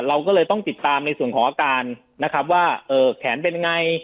เราก็เลยต้องติดตามในส่วนของอาการนะครับว่าแขนเป็นไง